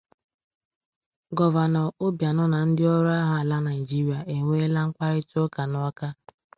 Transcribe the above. Gọvanọ Obianọ Na Ndị Ọrụ Agha Ala Nigeria Enweela Mkparịtaụka n'Awka